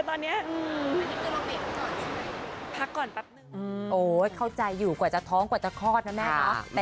โอ้ยโอ้ยจะค่อยจะท้องกว่าจะคลอดนะแม่คะ